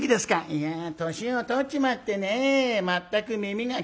「いや年を取っちまってねぇ全く耳が聞こえない」。